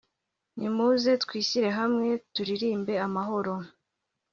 nimuze twishyire hamwe turirimbe amahoro